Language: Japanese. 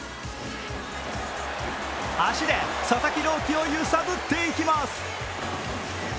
足で佐々木朗希を揺さぶっていきます。